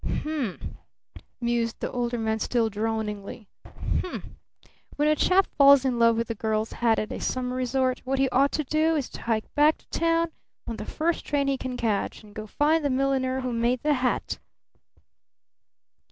"Humph!" mused the Older Man still droningly. "Humph! When a chap falls in love with a girl's hat at a summer resort, what he ought to do is to hike back to town on the first train he can catch and go find the milliner who made the hat!"